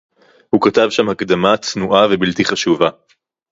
הוא כתב שם הקדמה צנועה ובלתי חשובה